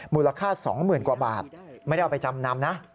มูลค่า๒๐๐๐กว่าบาทไม่ได้เอาไปจำนำนะ